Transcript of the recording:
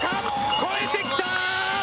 越えてきた！